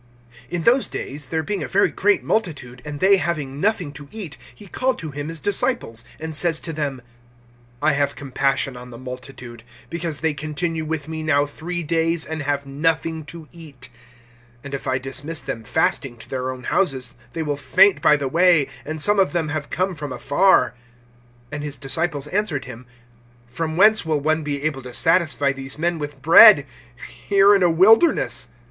IN those days, there being a very great multitude, and they having nothing to eat, he called to him his disciples, and says to them: (2)I have compassion on the multitude, because they continue with me now three days, and have nothing to eat; (3)and if I dismiss them fasting to their own houses, they will faint by the way; and some of them have come from afar. (4)And his disciples answered him: From whence will one be able to satisfy these men with bread, here in a wilderness?